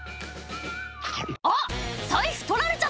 「あっ財布取られちゃった！」